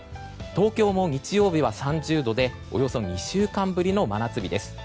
東京も日曜日は３０度でおよそ２週間ぶりの真夏日です。